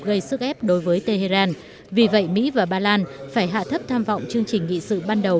gây sức ép đối với tehran vì vậy mỹ và ba lan phải hạ thấp tham vọng chương trình nghị sự ban đầu